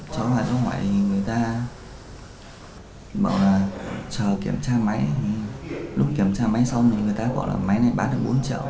cháu gọi cho ngoại người ta bảo là chờ kiểm tra máy lúc kiểm tra máy xong người ta gọi là máy này bán được bốn triệu